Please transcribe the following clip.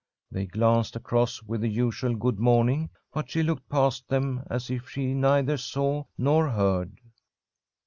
They glanced across with the usual good morning, but she looked past them as if she neither saw nor heard.